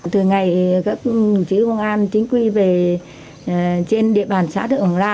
từ ngày các thùng chí công an chính quy về trên địa bàn xã thượng bằng la